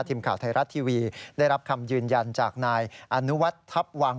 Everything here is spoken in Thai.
ทีมข่าวไทยรัฐทีวีได้รับคำยืนยันจากนายอนุวัฒน์ทัพวัง